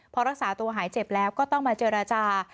พอรักษาตัวหายเจ็บแล้วก็ต้องมาเจรจา